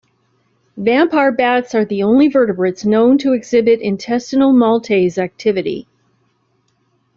Vampire bats are the only vertebrates known to not exhibit intestinal maltase activity.